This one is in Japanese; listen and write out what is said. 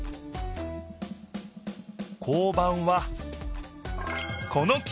交番はこの記号。